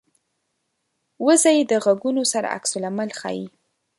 وزې د غږونو سره عکس العمل ښيي